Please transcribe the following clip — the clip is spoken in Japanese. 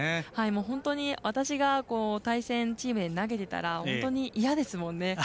本当に私が対戦チームで投げていたら本当に嫌ですもんね。